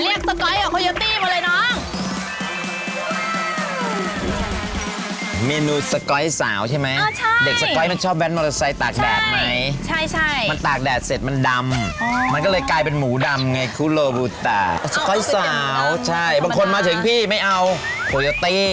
เอ้ยขอโคโยตี้ไงทำไมถึงเป็นโคโยตี้ล่ะเนี่ย